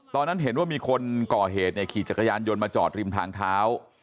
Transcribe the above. ตอนนั้นเห็นว่ามีคนก่อเหตุเนี่ยขี่จักรยานยนต์มาจอดริมทางเท้า